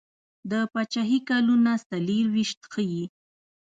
د پاچهي کلونه څلیرویشت ښيي.